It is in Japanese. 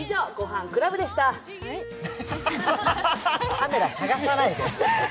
カメラ探さないで。